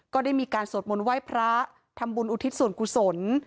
ก็ได้มีการสวดมนต์ไหว้พระทำบุญอุทิศส่วนกุศล